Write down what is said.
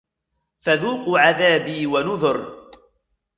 فَذُوقُوا عَذَابِي وَنُذُرِ